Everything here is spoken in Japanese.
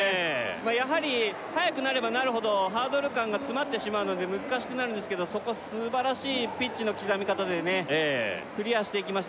やはり速くなればなるほどハードル間が詰まってしまうので難しくなるんですけどそこ素晴らしいピッチの刻み方でねクリアしていきました